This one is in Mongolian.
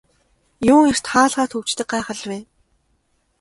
Юун эрт хаалгаа түгждэг гайхал вэ.